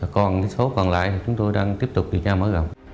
còn số còn lại thì chúng tôi đang tiếp tục điều tra mở rộng